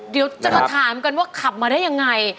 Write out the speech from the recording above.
เดี๋ยวจะมาถามกันว่าขับมาได้ยังไง